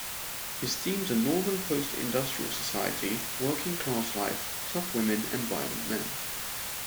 His themes are Northern post-industrial society, working class life, tough women and violent men.